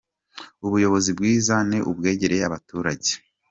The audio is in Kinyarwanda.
Ubuyobozi bwiza ni ubwegereye abaturage.